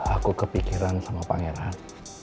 aku kepikiran sama pangeran